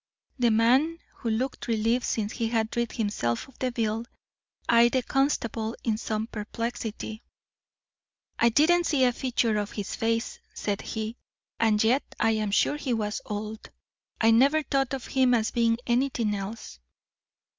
The man, who looked relieved since he had rid himself of the bill, eyed the constable in some perplexity. "I didn't see a feature of his face," said he, "and yet I'm sure he was old. I never thought of him as being anything else."